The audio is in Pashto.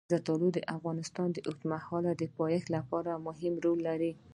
زردالو د افغانستان د اوږدمهاله پایښت لپاره مهم رول لري.